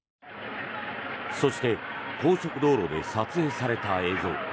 そして高速道路で撮影された映像。